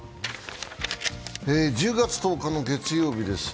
１０月１０日の月曜日です。